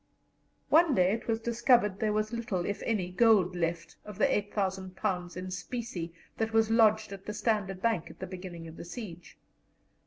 One day it was discovered there was little, if any, gold left of the £8,000 in specie that was lodged at the Standard Bank at the beginning of the siege.